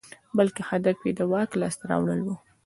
بلکې هدف یې د واک لاسته راوړل وو.